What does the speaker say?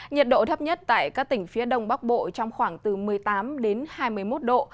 nhiệt độ thấp nhất tại các tỉnh phía đông bắc bộ trong khoảng từ một mươi tám đến hai mươi một độ